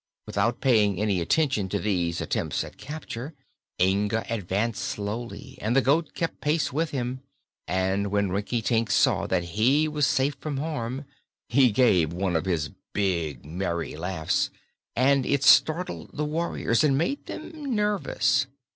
Without paying any attention to these attempts at capture, Inga advanced slowly and the goat kept pace with him. And when Rinkitink saw that he was safe from harm he gave one of his big, merry laughs, and it startled the warriors and made them nervous.